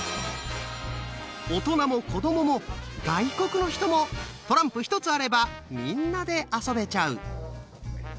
大人も子どもも外国の人もトランプ一つあればみんなで遊べちゃう！